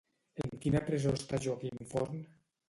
En quina presó està Joaquim Forn?